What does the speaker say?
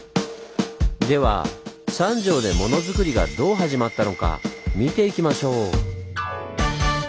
では三条でモノづくりがどう始まったのか見ていきましょう！